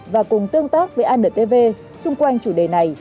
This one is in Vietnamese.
và cùng tương tác với antv xung quanh chủ đề này